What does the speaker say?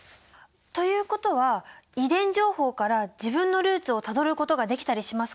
ということは遺伝情報から自分のルーツをたどることができたりしますか？